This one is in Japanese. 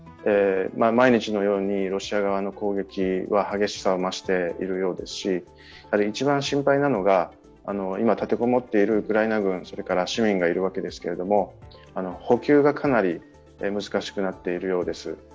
毎日のようにロシア側の攻撃は激しさを増しているようですし１番心配なのが、今、立て籠もっているウクライナ軍、市民がいるわけですが補給がかなり難しくなっているようです。